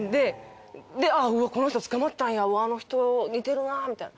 うわこの人捕まったんやあの人似てるなみたいな。